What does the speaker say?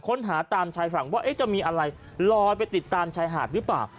ค้นหาตามชายฝั่งว่าจะมีอะไรลอยไปติดตามชายหาดหรือเปล่า